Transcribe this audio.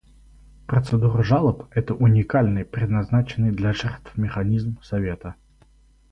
Процедура жалоб — это уникальный предназначенный для жертв механизм Совета.